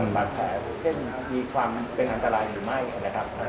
บาดแผลเช่นมีความเป็นอันตรายหรือไม่นะครับ